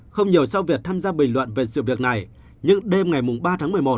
không nhiều sau việt tham gia bình luận về sự việc này những đêm ngày ba tháng một mươi một